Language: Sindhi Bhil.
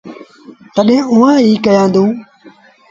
تڏهيݩٚ اُئآݩٚ ايٚئيٚنٚ ئيٚ ڪيآݩدوݩٚ